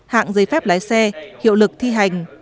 hạng giấy phép lái xe hiệu lực thi hành